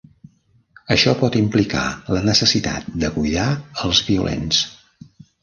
Això pot implicar la necessitat de cuidar els violents.